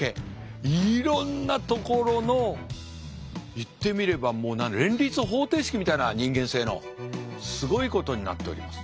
いろんなところの言ってみればもう連立方程式みたいな人間性のすごいことになっております。